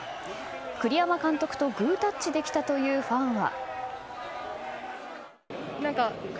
栗山監督とグータッチできたというファンは。